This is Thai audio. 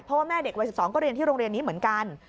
เพราะว่าแม่เด็กวัย๑๒ก็เรียนที่โรงเรียนนี้เหมือนกัน